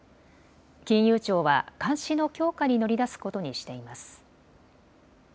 金融庁は監視の強化に乗り出すことにしています。